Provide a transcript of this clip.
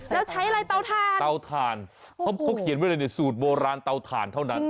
แล้วใช้อะไรเตาถ่านเตาถ่านเพราะเขาเขียนไว้เลยในสูตรโบราณเตาถ่านเท่านั้น